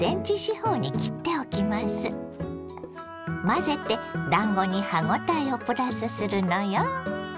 混ぜてだんごに歯応えをプラスするのよ。